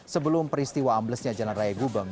sebelum peristiwa amblesnya jalan raya gubeng